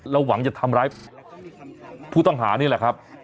หวังจะทำร้ายผู้ต้องหานี่แหละครับ